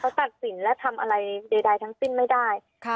เขาตัดสินแล้วทำอะไรใดใดทั้งสิ้นไม่ได้ค่ะ